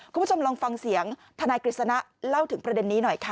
คุณผู้ชมลองฟังเสียงทนายกฤษณะเล่าถึงประเด็นนี้หน่อยค่ะ